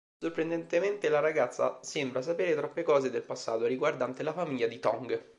Sorprendentemente la ragazza sembra sapere troppe cose del passato riguardante la famiglia di Tong.